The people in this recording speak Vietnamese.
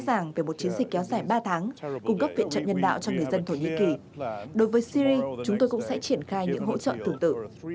chúng tôi đã lên một kế hoạch ràng về một chiến dịch kéo dài ba tháng cung cấp viện trợ nhân đạo cho người dân thổ nhĩ kỳ đối với syri chúng tôi cũng sẽ triển khai những hỗ trợ tự tự